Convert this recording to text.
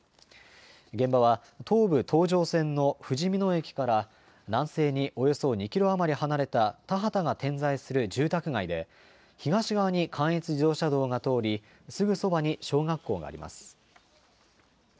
現場は、東武東上線のふじみ野駅から南西におよそ２キロ余り離れた、田畑が点在する住宅街で、東側に関越自動車道が通り、すぐそばに小学校があります。